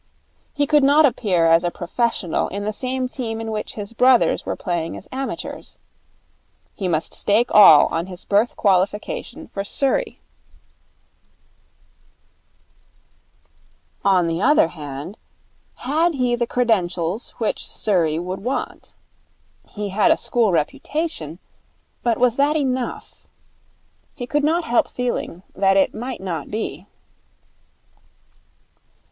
He could not appear as a professional in the same team in which his brothers were playing as amateurs. He must stake all on his birth qualification for Surrey. On the other hand, had he the credentials which Surrey would want? He had a school reputation. But was that enough? He could not help feeling that it might not be.